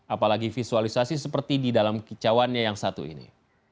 apalagi visualisasi seperti di dalam kicauannya yang satu ini